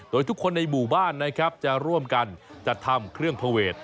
โดยทุกคนในหมู่บ้านนะครับจะร่วมกันจัดทำเครื่องภเวท